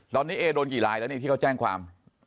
ตอนนี้เอโดนกี่ลายแล้วนี่ที่เขาแจ้งความ